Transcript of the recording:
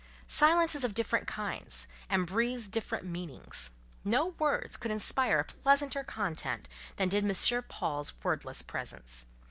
Silence is of different kinds, and breathes different meanings; no words could inspire a pleasanter content than did M. Paul's worldless presence.